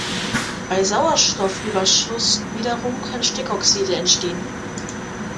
Bei Sauerstoffüberschuss wiederum können Stickoxide entstehen.